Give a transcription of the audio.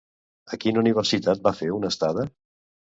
A quina universitat va fer una estada?